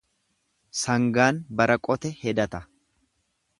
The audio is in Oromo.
Sangaan bara qote hedata.